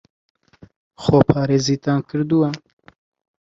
خۆپارێزیتان کردووە؟